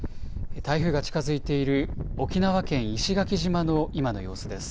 台風が近づいている沖縄県石垣島の今の様子です。